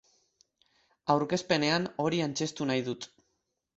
Aurkezpenean hori antzeztu nahi dut.